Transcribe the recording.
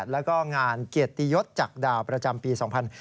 แล้วก็งานเกียรติยศจากดาวประจำปี๒๕๕๙